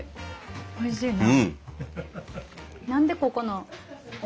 おいしいな。